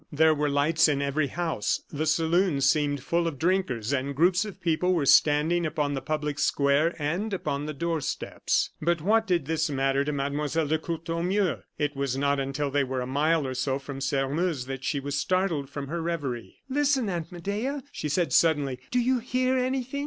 There were lights in every house, the saloons seemed full of drinkers, and groups of people were standing upon the public square and upon the doorsteps. But what did this matter to Mlle. de Courtornieu! It was not until they were a mile or so from Sairmeuse that she was startled from her revery. "Listen, Aunt Medea," she said, suddenly. "Do you hear anything?"